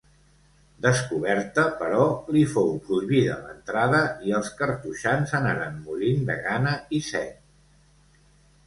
Descoberta, però, li fou prohibida l'entrada, i els cartoixans anaren morint de gana i set.